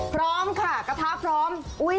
พร้อมค่ะกระทะพร้อม